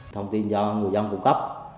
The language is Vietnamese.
thông tin do người dân cung cấp